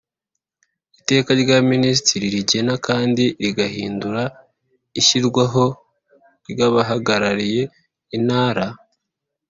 Iteka rya Minisitiri Rigena kandi rigahindura ishyirwaho ry’abahagarariye intara